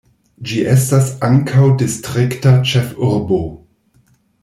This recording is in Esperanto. Ĝi estas ankaŭ distrikta ĉefurbo.